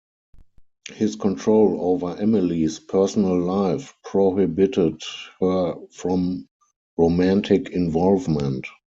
His control over Emily's personal life prohibited her from romantic involvement.